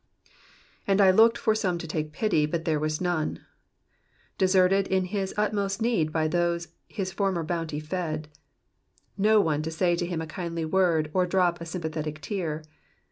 ^w^ 1 looked for some to take pity^ but there was rume.'*'* Deserted in his utmost need by those his former bonnty fed." Not one to say him a kindly word, or drop a sympathetic tear.